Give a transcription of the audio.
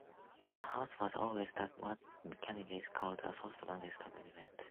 The House was always what the Canadians called a "soft drink" establishment.